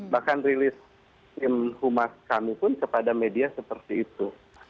bahkan rilis tim humas kami pun kepada media seperti itu